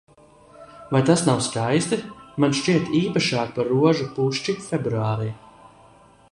Vai tas nav skaisti? Man šķiet, īpašāk par rožu pušķi februārī.